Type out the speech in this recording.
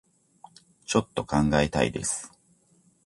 ちょっと考えたいです